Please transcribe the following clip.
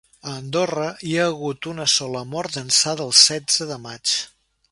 A Andorra, hi ha hagut una sola mort d’ençà del setze de maig.